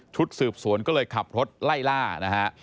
สืบสวนก็เลยขับรถไล่ล่านะฮะ